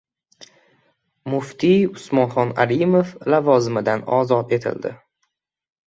Muftiy Usmonxon Alimov lavozimidan ozod etildi